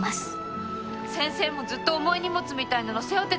先生もずっと重い荷物みたいなの背負ってたんですよね？